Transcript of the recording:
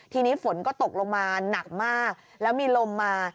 ทีนี้ฝนก็ตกลงมาหนักมากแล้วมีลมมา